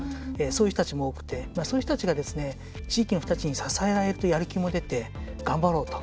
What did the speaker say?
そういう人たちも多くてそういう人たちが地域の人たちに支えられてやる気も出て頑張ろうと。